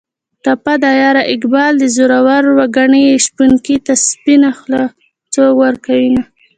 ټپه ده: یاره اقبال دې زورور و ګني شپونکي ته سپینه خوله څوک ورکوینه